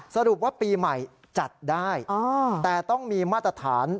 สรุปว่าปีใหม่จัดได้แต่ต้องมีมาตรฐาน